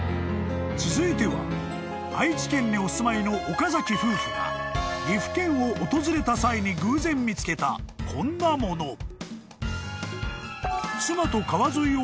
［続いては愛知県にお住まいの岡崎夫婦が岐阜県を訪れた際に偶然見つけたこんなもの］